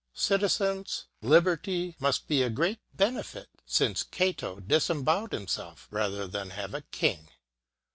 Citizens, liberty must be a great benefit, since Cato disembowelled himself rather than have a king.